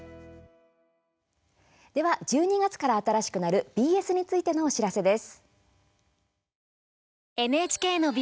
１２月から新しくなる ＢＳ についてのお知らせです。